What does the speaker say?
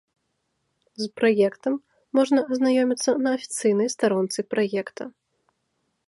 З праектам можна азнаёміцца на афіцыйнай старонцы праекта.